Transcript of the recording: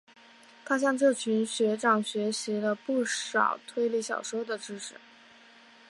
他向这群学长学习了不少推理小说的知识。